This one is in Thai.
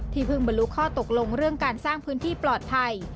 เพิ่งบรรลุข้อตกลงเรื่องการสร้างพื้นที่ปลอดภัย